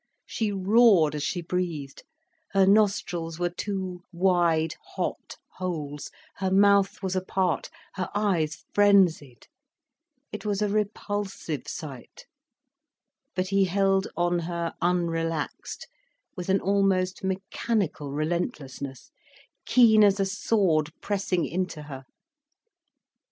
She roared as she breathed, her nostrils were two wide, hot holes, her mouth was apart, her eyes frenzied. It was a repulsive sight. But he held on her unrelaxed, with an almost mechanical relentlessness, keen as a sword pressing in to her.